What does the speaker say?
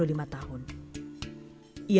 ia di makamnya